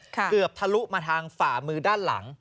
ทะลุมาทางฝ่ามือด้านหลัง